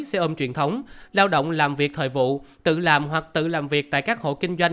xe ôm truyền thống lao động làm việc thời vụ tự làm hoặc tự làm việc tại các hộ kinh doanh